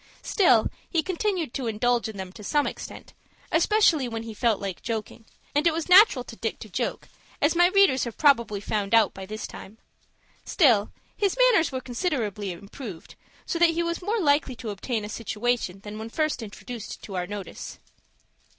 Still he continued to indulge in them to some extent, especially when he felt like joking, and it was natural to Dick to joke, as my readers have probably found out by this time. Still his manners were considerably improved, so that he was more likely to obtain a situation than when first introduced to our notice.